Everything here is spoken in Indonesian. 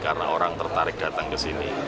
karena orang tertarik datang ke sini